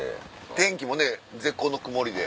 天気もね絶好の曇りで。